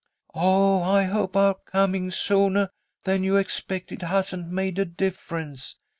"Oh, I hope our coming soonah than you expected hasn't made a difference!"